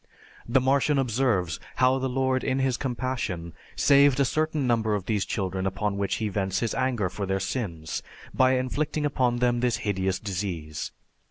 The Martian observes how the Lord in His compassion saved a certain number of these children upon whom he vents His anger for their sins, by inflicting upon them this hideous disease.